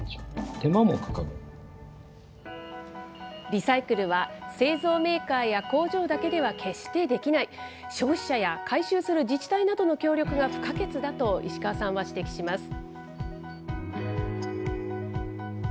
リサイクルは、製造メーカーや工場だけでは決してできない、消費者や回収する自治体などの協力が不可欠だと石川さんは指摘します。